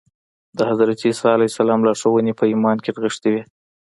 د حضرت عيسی عليه السلام لارښوونې په ايمان کې نغښتې وې.